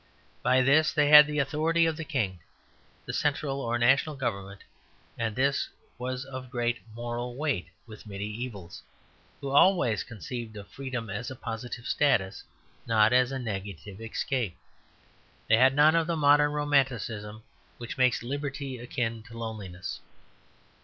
By this they had the authority of the King, the central or national government; and this was of great moral weight with mediævals, who always conceived of freedom as a positive status, not as a negative escape: they had none of the modern romanticism which makes liberty akin to loneliness.